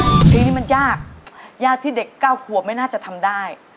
ทีนี้มันยากยากที่เด็ก๙ขวบไม่น่าจะทำได้